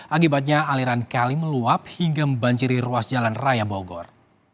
akibatnya aliran kali meluap hingga membanjiri ruas jalan raya bogor